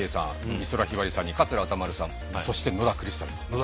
美空ひばりさんに桂歌丸さんそして野田クリスタル。